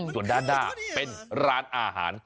ส่วนด้านหน้าเป็นร้านอาหาร